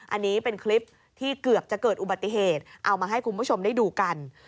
อันนี้เป็นคลิปที่เกือบจะเกิดอุบัติเหตุเอามาให้คุณผู้ชมได้ดูกัน